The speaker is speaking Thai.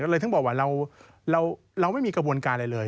เลยถึงบอกว่าเราไม่มีกระบวนการอะไรเลย